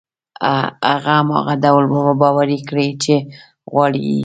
هغه هماغه ډول باوري کړئ چې غواړي يې.